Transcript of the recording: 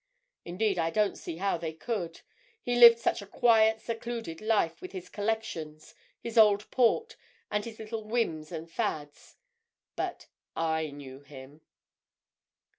Indeed, I don't see how they could; he lived such a quiet, secluded life, with his collections, his old port, and his little whims and fads. But—I knew him!"